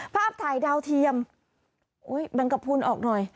ภาพถ่ายดาวเทียมแบงกระพุนออกหน่อย